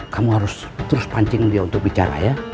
kamu harus terus pancing dia untuk bicara ya